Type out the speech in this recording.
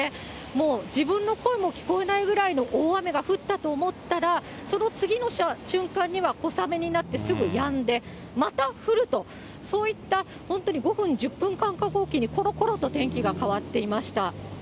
もう自分の声も聞こえないぐらいの大雨が降ったと思ったら、その次の瞬間には小雨になってすぐやんで、また降ると、そういった本当に５分、１０分間隔置きにころころと天気が変わっていました。